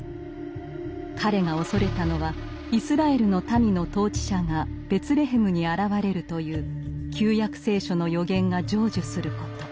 彼が恐れたのはイスラエルの民の統治者がベツレヘムに現れるという「旧約聖書」の預言が成就すること。